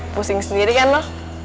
pusing sendiri kan lo